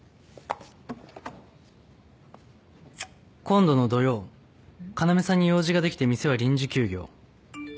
「今度の土曜要さんに用事が出来て店は臨時休業」。